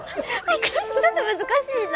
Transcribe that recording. ちょっと難しいな。